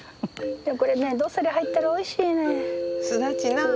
これねどっさり入ったらおいしいねん。